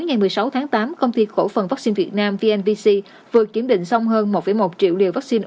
ngày một mươi sáu tháng tám công ty cổ phần vaccine việt nam vnvc vừa kiểm định xong hơn một một triệu liều vaccine